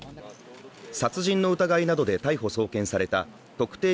殺人の疑いなどで逮捕・送検された特定